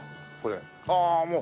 あっもう。